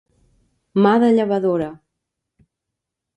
Mà de llevadora.